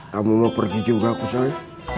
kamu mau pergi juga pusat